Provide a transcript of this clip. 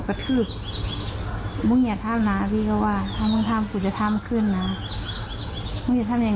และตอนนั้นเราเจ็บตรงไหนบ้าง